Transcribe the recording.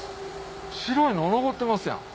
白いの残ってますやん。